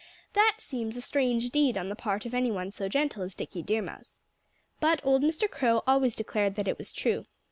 That seems a strange deed on the part of anyone so gentle as Dickie Deer Mouse. But old Mr. Crow always declared that it was true.